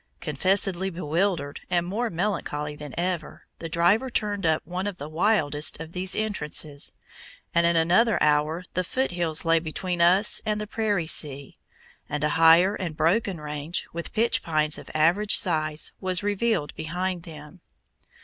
Confessedly bewildered, and more melancholy than ever, the driver turned up one of the wildest of these entrances, and in another hour the Foot Hills lay between us and the prairie sea, and a higher and broken range, with pitch pines of average size, was revealed behind them.